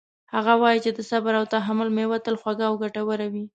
هغه وایي چې د صبر او تحمل میوه تل خوږه او ګټوره وي